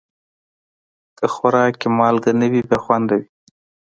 که خوراک کې مالګه نه وي، بې خوند وي.